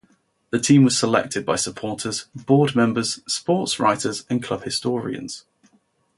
The team was selected by supporters, board members, sports writers and club historians.